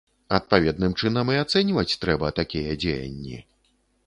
Адпаведным чынам і ацэньваць трэба такія дзеянні.